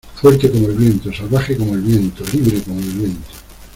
Fuerte como el viento. Salvaje como el viento. Libre como el viento.